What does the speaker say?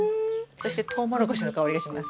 わトウモロコシのいい香りがします。